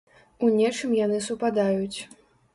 У нечым яны супадаюць.